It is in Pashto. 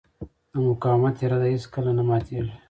د مقاومت اراده هېڅکله نه ماتېږي.